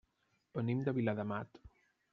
Venim de Viladamat.